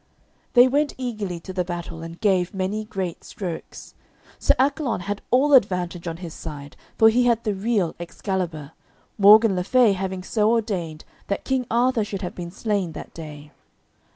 They went eagerly to the battle, and gave many great strokes. Sir Accolon had all advantage on his side, for he had the real Excalibur, Morgan le Fay having so ordained that King Arthur should have been slain that day.